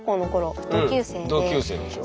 同級生でしょ？